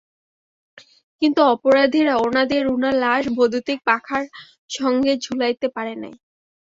কিন্তু অপরাধীরা ওড়না দিয়ে রুনার লাশ বৈদ্যুতিক পাখার সঙ্গে ঝুলাইতে পারে নাই।